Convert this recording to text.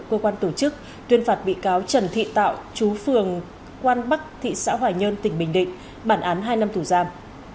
cơ quan tổ chức tuyên phạt bị cáo trần thị tạo chú phường quan bắc thị xã hoài nhơn tỉnh bình định bản án hai năm tù giam